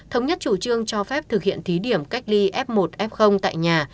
thống nhất chủ trương cho phép thực hiện thí điểm cách ly f một f tại nhà